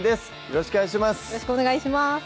よろしくお願いします